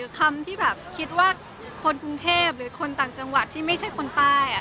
คำที่แบบคิดว่าคนกรุงเทพหรือคนต่างจังหวัดที่ไม่ใช่คนใต้